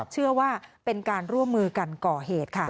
เชื่อว่าเป็นการร่วมมือกันก่อเหตุค่ะ